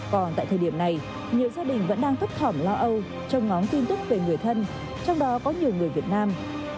còn tại thời điểm này nhiều gia đình vẫn đang thấp thỏm lo âu trong ngóng tin tức về người thân trong đó có nhiều người việt nam